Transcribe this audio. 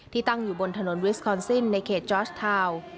ตั้งอยู่บนถนนวิสคอนซินในเขตจอร์ชทาวน์